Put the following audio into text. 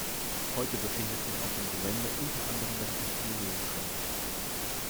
Heute befindet sich auf dem Gelände unter anderem das Imperial College.